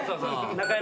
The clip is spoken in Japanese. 中山